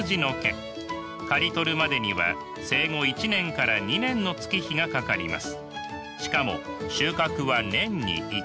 刈り取るまでには生後１年から２年の月日がかかります。